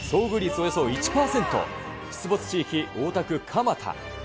およそ１％、出没地域、大田区蒲田。